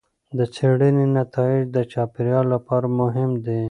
د څېړنې نتایج د چاپیریال لپاره مهم دي.